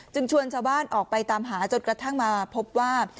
ชวนชาวบ้านออกไปตามหาจนกระทั่งมาพบว่า